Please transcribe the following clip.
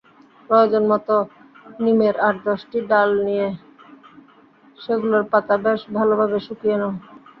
প্রয়োজনমতো নিমের আট-দশটি ডাল নিয়ে সেগুলোর পাতা বেশ ভালোভাবে শুকিয়ে নাও।